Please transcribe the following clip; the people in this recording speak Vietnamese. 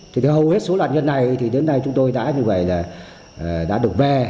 thì hầu hết số loạn nhân này thì đến nay chúng tôi đã như vậy là đã được về